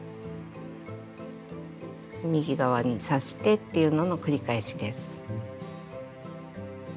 右側に刺してっていうのの繰り返しです。